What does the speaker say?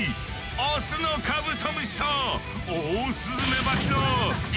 オスのカブトムシとオオスズメバチの一騎打ちだ！